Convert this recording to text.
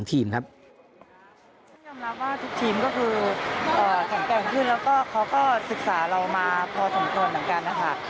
ทีมยอมรับว่าทุกทีมก็คือแข็งแกร่งขึ้นแล้วก็เขาก็ศึกษาเรามาพอสมควรเหมือนกันนะคะ